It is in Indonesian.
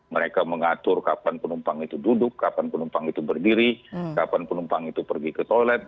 mereka mengatur kapan penumpang itu duduk kapan penumpang itu berdiri kapan penumpang itu pergi ke toilet